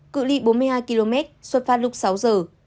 cửa ly bốn mươi hai km xuất phát lúc sáu giờ